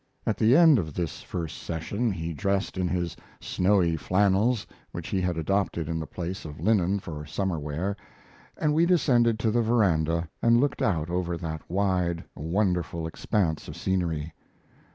At the end of this first session he dressed in his snowy flannels, which he had adopted in the place of linen for summer wear, and we descended to the veranda and looked out over that wide, wonderful expanse of scenery.